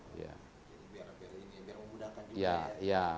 biar memudahkan juga ya